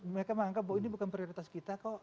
mereka menganggap bahwa ini bukan prioritas kita kok